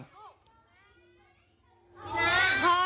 มีนะคอย